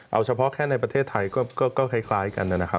เอาเฉพาะแค่ในประเทศไทยก็คล้ายกันนะครับ